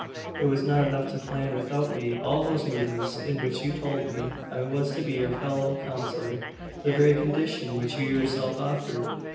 It was not enough to plan without me all those movements in which you told me I was to be your fellow counsellor the very condition which you yourself offered!